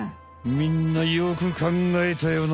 みんなよくかんがえたよな。